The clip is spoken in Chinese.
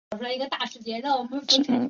短辐水芹是伞形科水芹属的植物。